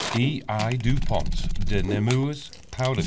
E. I. DU PONT DE NEMOURS POWDER CO.